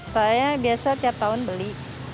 saya biasa tiap tahun beli